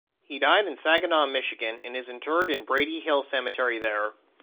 He died in Saginaw, Michigan, and is interred in Brady Hill Cemetery there.